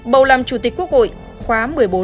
bầu làm chủ tịch quốc hội khóa một mươi bốn